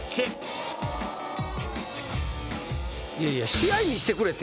いやいや。